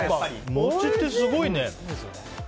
餅ってすごいね。